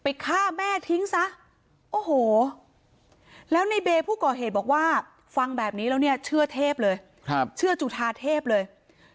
ฆ่าแม่ทิ้งซะโอ้โหแล้วในเบย์ผู้ก่อเหตุบอกว่าฟังแบบนี้แล้วเนี่ยเชื่อเทพเลยเชื่อจุธาเทพเลย